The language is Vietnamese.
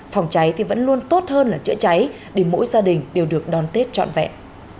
phòng cháy thì vẫn luôn tốt hơn là chữa cháy để mỗi gia đình đều được đón tết trọn vẹn